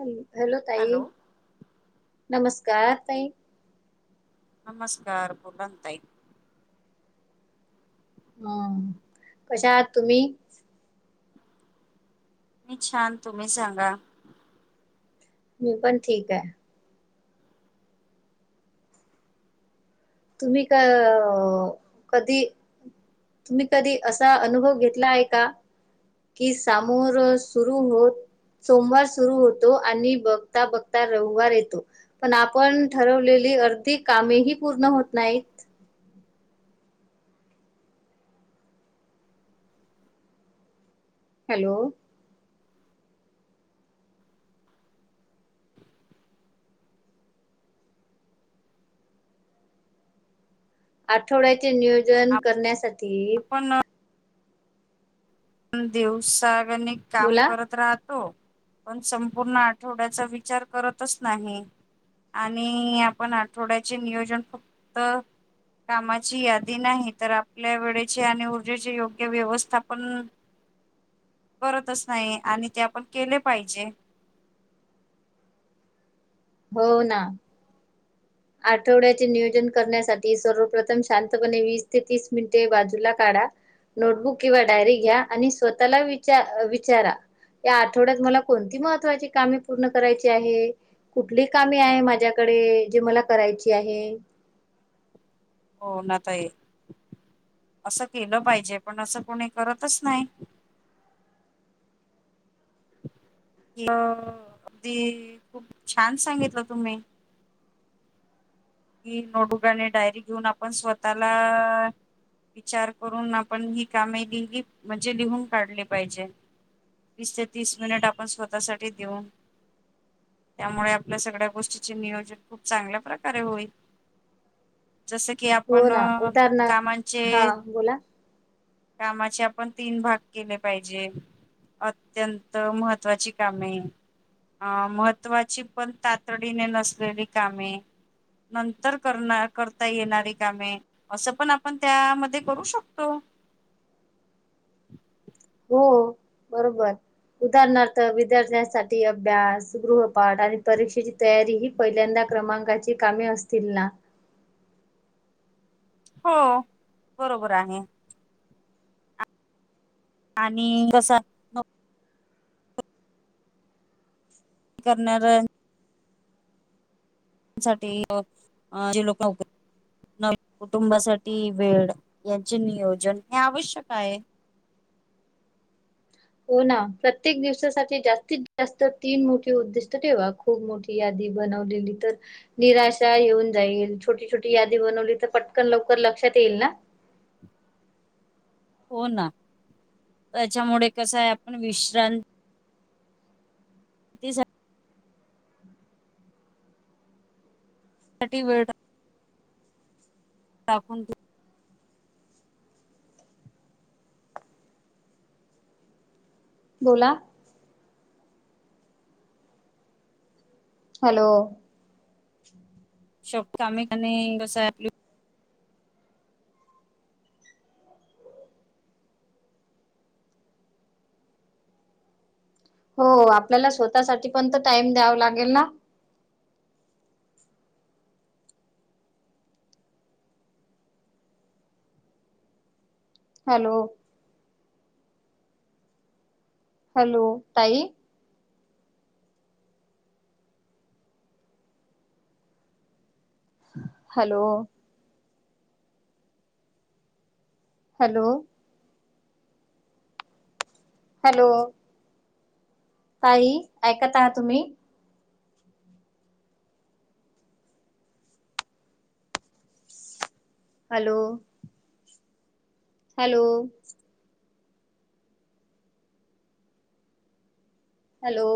ह हॅलो ताई नमस्कार तई. नमस्कार बलाना ताई. हम् कशा आहात तुम्ही मी छान तुम्ही सांगा मी पण ठीक आहे तुम्ही का कधी तुम्ही कधी असा अनुभव घेतला आहे का? कि सामोर सुरू होत. सोमवार सुरू होतो आणि बघता बघता रविवार येतो. पण आपण ठरवलेली अर्धी कामेही पूर्ण होत नाहीत. हॅलो आठवड्याचे नियोजन करण्यासाठी प आपण देवसागण काम बोला करत राहतो. पण संपूर्ण आठवड्याचा विचार करतच नाही. आणि आपण आठवड्याचे नियोजन फक्त कामाची यादी नाही तर आपल्या वेळेचे आणि ऊर्जेचे योग्य व्यवस्थापन करतच नाही आणि ते आपण केले पाहिजे. हो ना. आठवड्याचे नियोजन करण्यासाठी सर्वप्रथम शांतपणे वीस ते तीस मिनिटे बाजूला काढा. नोटबुक किंवा डायरी घ्या आणि स्वतःला विचार विचारा. या आठवड्यात मला कोणती महत्त्वाची कामे पूर्ण करायची आहे. कुठली कामे आहे माझ्याकडे जे मला करायची आहे. हो ना ताई असं केलं पाहिजे पण असं कोणी करतच नाही. अ अगदी खूप छान सांगितलं तुम्ही. कि नोटबुक आणि डायरी घेऊन आपण स्वतःला विचार करून आपण ही कामे लिहिली म्हणजे लिहून काढली पाहिजे. वीस ते तीस मिनिट आपण स्वतःसाठी देऊन. त्यामुळे आपल्या सगळ्या गोष्टीचे नियोजन खूप चांगल्या प्रकारे होईल. जसं की हो आपण ना उदाहरणा कामांचे हा बोला कामाचे आपण तीन भाग केले पाहिजे. अत्यंत महत्त्वाची कामे. अ महत्त्वाची पण तातडीने नसलेली कामे. नंतर करणार करता येणारी कामे असं पण आपण त्यामध्ये करू शकतो. हो बरोबर. उदाहरणार्थ विद्यार्थ्यांसाठी अभ्यास गृहपाठ आणि परीक्षेची तयारी ही पहिल्यांदा क्रमांकाची कामे असतील ना. हो बरोबर आहे. आणि कस करणार सा जे लोक नकर. न कुटुंबासाठी वेळ यांचे नियोजन हे आवश्यक आहे. हो ना प्रत्येक दिवसासाठी जास्तीत जास्त तीन मोठे उद्दिष्ट ठेवा. खूप मोठी यादी बनवलेली तर निराशा येऊन जाईल छोटी छोटी यादी बनवली तर पटकन लवकर लक्षात येईल ना. हो ना त्याच्यामुळे कस आहे आपण विश्रांत [inaudible] सा वेळ दाखून दे बोला हॅलो श कामे काणे कस आपली हो आपल्याला स्वतःसाठी पण तर टाइम द्याव लागेल ना. हॅलो. हॅलो ताई. हॅलो. हॅलो हॅलो ताई ऐकत आहहा तुम्ही हॅलो हॅलो हॅलो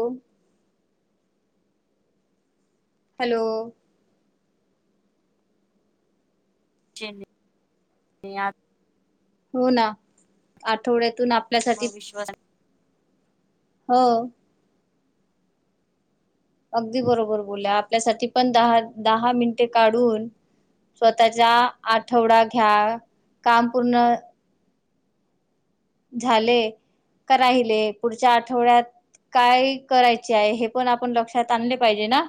हॅलो [inaudible] हो ना आठवड्यातून आप मग विश्वास हो अगदी बरोबर बोल आपल्यासाठी पण दहा दहा मिनिटे काढून स्वतःच्या आठवडा घ्या काम पूर्ण झाले का राहिले पुढच्या आठवड्यात काय करायचे आहे हे पण आपण लक्षात आणले पाहिजे ना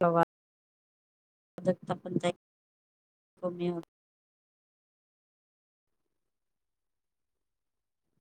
प्रवा आपण कमी